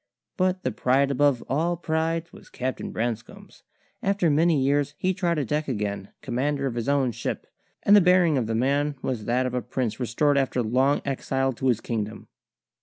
But the pride above all prides was Captain Branscome's. After many years he trod a deck again, commander of his own ship; and the bearing of the man was that of a prince restored after long exile to his kingdom.